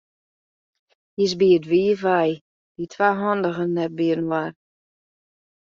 Hy is by it wiif wei, dy twa handigen net byinoar.